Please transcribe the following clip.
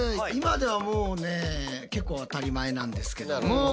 今ではもうね結構当たり前なんですけども。